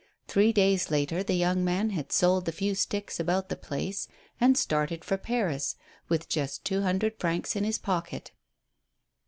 Three days later the young man had sold the few sticks about the place, and started for Paris, with just two hundred francs in his pocket.